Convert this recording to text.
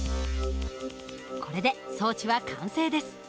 これで装置は完成です。